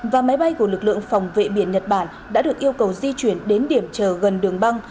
và máy bay của lực lượng phòng vệ biển nhật bản đã được yêu cầu di chuyển đến điểm chờ gần đường băng